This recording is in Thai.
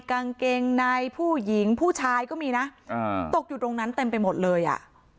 กางเกงในผู้หญิงผู้ชายก็มีนะอ่าตกอยู่ตรงนั้นเต็มไปหมดเลยอ่ะ